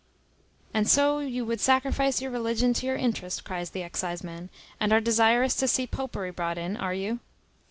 "And so you would sacrifice your religion to your interest," cries the exciseman; "and are desirous to see popery brought in, are you?"